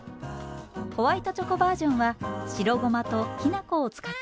ホワイトチョコバージョンは白ごまときな粉を使っています。